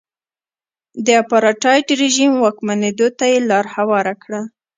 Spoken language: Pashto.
د اپارټاید رژیم واکمنېدو ته یې لار هواره کړه.